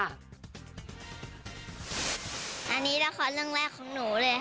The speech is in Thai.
อันนี้ละครเรื่องแรกของหนูเลย